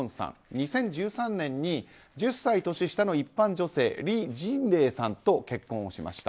２０１３年に１０歳年下の一般女性リー・ジンレイさんと結婚をしました。